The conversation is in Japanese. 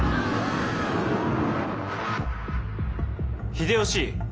秀吉！